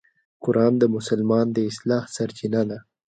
قرآن د مسلمان د اصلاح سرچینه ده.